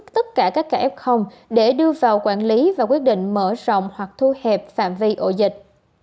tất cả các ca f để đưa vào quản lý và quyết định mở rộng hoặc thu hẹp phạm vi ổ dịch